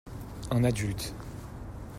Un adulte.